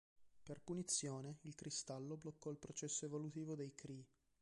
Per punizione, il cristallo bloccò il processo evolutivo dei Kree.